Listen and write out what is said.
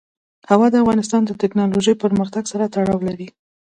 هوا د افغانستان د تکنالوژۍ پرمختګ سره تړاو لري.